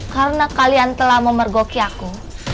karena kalian telah memergoki aku